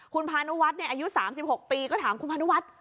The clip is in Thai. คุณพานุวัฒน์อายุ๓๖ปีก็ถามคุณพานุวัฒน์